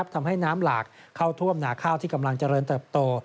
ทำให้น้ำหลากเข้าท่วมหนาข้าวที่กำลังเจริญเติบโต